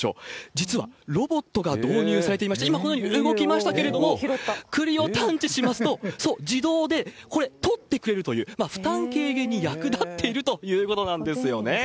実はロボットが導入されていまして、今このように動きましたけれども、栗を探知しますと、そう、自動で、これ、取ってくれるという、負担軽減に役立っているということなんですよね。